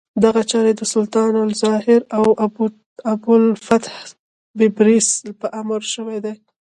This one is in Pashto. دغه چارې د سلطان الظاهر ابوالفتح بیبرس په امر شوې دي.